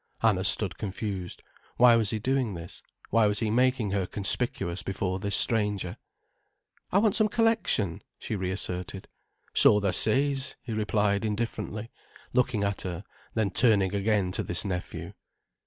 Anna stood confused. Why was he doing this, why was he making her conspicuous before this stranger? "I want some collection," she reasserted. "So tha says," he replied indifferently, looking at her, then turning again to this nephew.